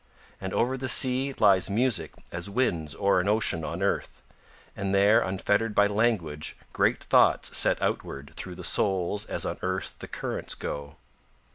And over the sea lies music as winds o'er an ocean on earth, and there unfettered by language great thoughts set outward through the souls as on earth the currents go.